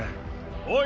おい！